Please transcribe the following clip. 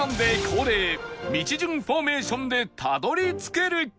恒例道順フォーメーションでたどり着けるか？